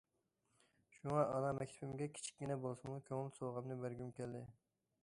شۇڭا ئانا مەكتىپىمگە كىچىككىنە بولسىمۇ كۆڭۈل سوۋغامنى بەرگۈم كەلدى.